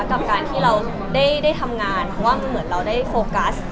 กับการที่เราได้ทำงานเพราะว่าเหมือนเราได้โฟกัส